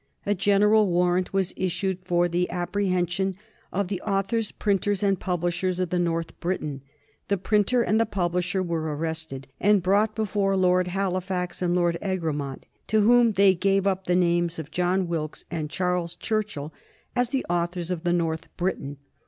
A general warrant was issued for the apprehension of the authors, printers, and publishers of the North Briton. The printer and the publisher were arrested and brought before Lord Halifax and Lord Egremont, to whom they gave up the names of John Wilkes and Charles Churchill as the authors of the North Briton.